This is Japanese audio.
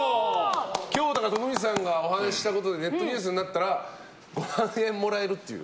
今日、だから徳光さんがお話したことでネットニュースになったら５万円もらえるっていう。